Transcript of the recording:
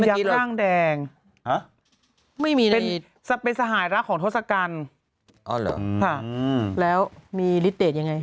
เป็นยักษ์ร่างแดงเป็นสหายลักของทศกัณฐ์